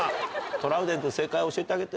トラウデン君正解教えてあげて。